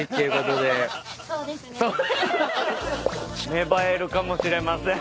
芽生えるかもしれません。